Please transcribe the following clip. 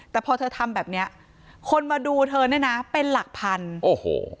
แต่พอเธอทำแบบเนี้ยคนมาดูเธอเนี่ยนะเป็นหลักพันโอ้โห